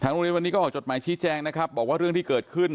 โรงเรียนวันนี้ก็ออกจดหมายชี้แจงนะครับบอกว่าเรื่องที่เกิดขึ้น